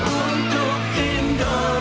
bersatu untuk membangun nusantara